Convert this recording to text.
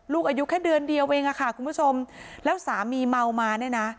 อายุแค่เดือนเดียวเองอะค่ะคุณผู้ชมแล้วสามีเมามาเนี่ยนะ